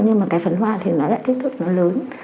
nhưng mà cái phấn hoa thì nó lại kích thước nó lớn